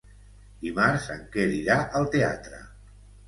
Dimarts en Quer irà al teatre.